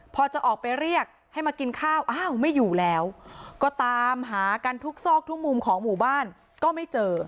พอจะออกไปเรียกให้มากินข้าวอ้าวไม่อยู่แล้วก็ตามหากันทุกซอกทุกมุมของหมู่บ้านก็ไม่เจอ